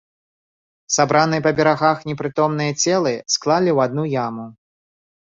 Сабраныя па берагах непрытомныя целы склалі ў адну яму.